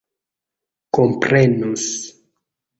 komprenus